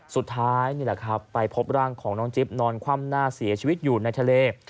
สุดท้ายนี่แหละครับไปพบร่างของน้องจิ๊บนอนคว่ำหน้าเสียชีวิตอยู่ในทะเล